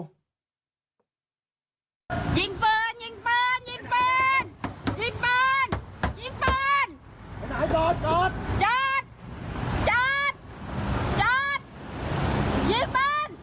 ยิงเปินยิงเปินยิงเปินยิงเปินยิงเปินยิงเปินจอดจอดจอดจอดยิงเปิน